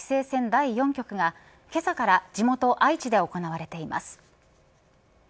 第４局がけさから地元、愛知で行われています。